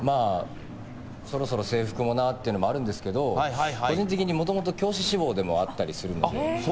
そろそろ制服もなというのもあるんですけど、個人的にもともと教師志望でもあったりするので。